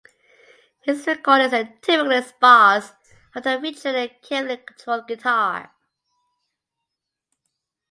His recordings are typically sparse, often featuring a carefully controlled guitar.